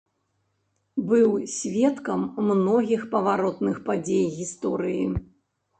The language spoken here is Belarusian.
Быў сведкам многіх паваротных падзей гісторыі.